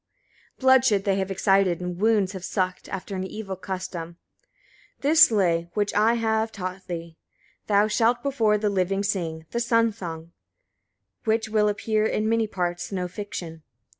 bloodshed they have excited, and wounds have sucked, after an evil custom. 81. This lay, which I have taught thee, thou shalt before the living sing, the Sun Song, which will appear in many parts no fiction.